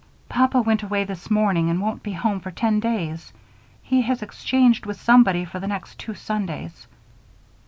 "Papa went away this morning and won't be home for ten days. He has exchanged with somebody for the next two Sundays."